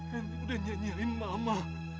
hendrik udah nyanyiin mama